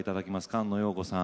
菅野よう子さん